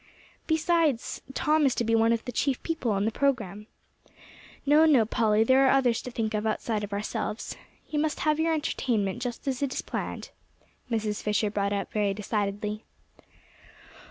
Besides, Tom is to be one of the chief people on the program. No, no, Polly, there are others to think of outside of ourselves. You must have your entertainment just as it is planned," Mrs. Fisher brought up very decidedly.